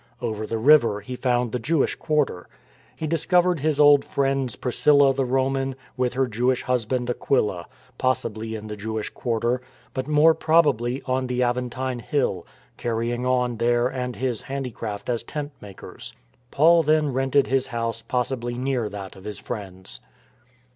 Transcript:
Over the river he found the Jewish quarter. He discovered his old friends Priscilla the Roman, with her Jewish husband, Aquila, possibly in the Jewish quarter, but more probably on the Aventine Hill, carrying on their and his handicraft as tent makers.^ Paul then rented his house possibly near that of his friends.